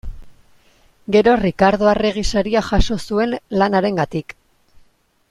Gero Rikardo Arregi Saria jaso zuen lan harengatik.